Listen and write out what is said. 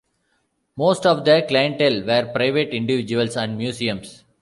Most of the clientele were private individuals and museums.